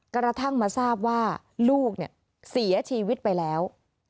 กระทั่งมาทราบว่าลูกเสียชีวิตไปแล้ว